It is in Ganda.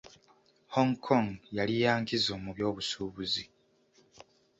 Hong Kong yali ya nkizo mu byobusuubuzi.